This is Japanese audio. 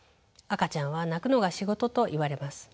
赤ちゃんは泣くのが仕事といわれます。